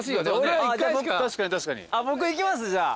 僕いきますじゃあ。